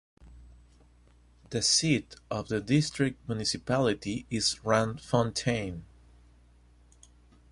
The seat of the district municipality is Randfontein.